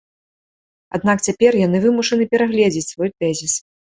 Аднак цяпер яны вымушаны перагледзіць свой тэзіс.